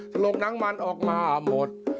ถ้าโลกนั้งมันออกมาหมด